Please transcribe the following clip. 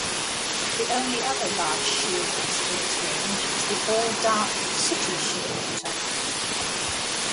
The only other large shearwater in its range is the all-dark sooty shearwater.